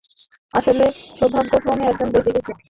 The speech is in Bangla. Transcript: আসলে, সৌভাগ্যক্রমে একজন বেঁচে গেছে।